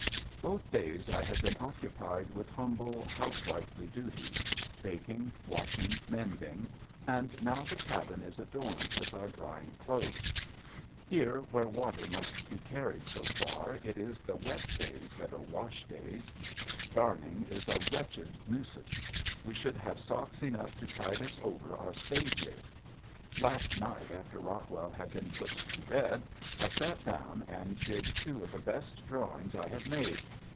Both days I have been occupied with humble, housewifely duties, baking, washing, mending, and now the cabin is adorned with our drying clothes. Here where water must be carried so far it is the wet days that are wash days. Darning is a wretched nuisance. We should have socks enough to tide us over our stay here. Last night after Rockwell had been put to bed I sat down and did two of the best drawings I have made.